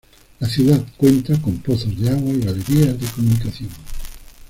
La ciudad cuenta con pozos de agua y galerías de comunicación.